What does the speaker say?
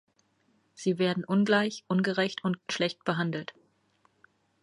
Sie werden ungleich, ungerecht und schlecht behandelt.